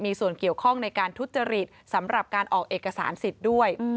มีส่วนเกี่ยวข้องในการทุจริตสำหรับการออกเอกสารสิทธิ์ด้วย